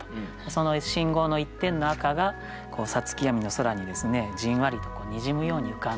その信号の一点の赤が五月闇の空にじんわりとにじむように浮かんでる。